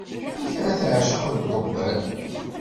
Amek yeɛni ara teɛceq deg uḍebbal!